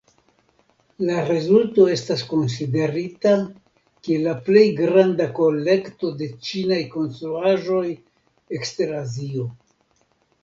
La rezulto estas konsiderita kiel la plej granda kolekto de ĉinaj konstruaĵoj ekster Azio.